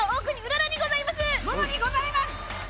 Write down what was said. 萌々にございます！